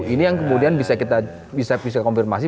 ini yang kemudian bisa kita bisa konfirmasi